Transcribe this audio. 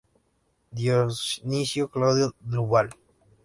Dionisio Claudio Duval.